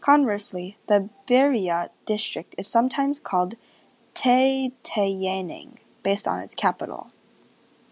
Conversely, the Berea District is sometimes called Teyateyaneng, based on its capital.